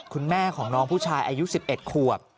คุณแม่ของน้องผู้ชายอายุ๑๑ขวบ